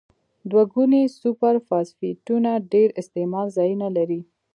دوه ګونې سوپر فاسفیټونه ډیر استعمال ځایونه لري.